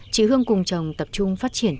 chị hương cùng chồng tập trung phát triển